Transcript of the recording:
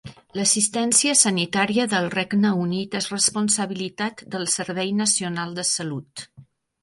L'assistència sanitària del Regne Unit és responsabilitat del Servei Nacional de Salut